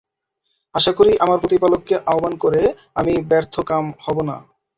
আশা করি, আমার প্রতিপালককে আহ্বান করে আমি ব্যর্থকাম হব না।